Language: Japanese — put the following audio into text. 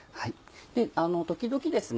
時々ですね